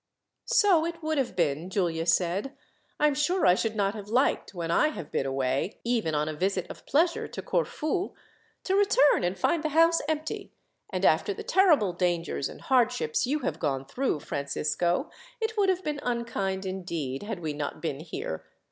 "So it would have been," Giulia said. "I am sure I should not have liked, when I have been away, even on a visit of pleasure to Corfu, to return and find the house empty; and after the terrible dangers and hardships you have gone through, Francisco, it would have been unkind, indeed, had we not been here.